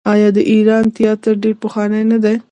آیا د ایران تیاتر ډیر پخوانی نه دی؟